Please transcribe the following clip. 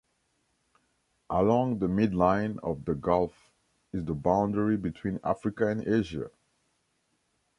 Along the mid-line of the gulf is the boundary between Africa and Asia.